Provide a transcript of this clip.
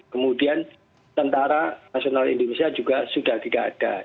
kemudian tentara nasional indonesia juga sudah tidak ada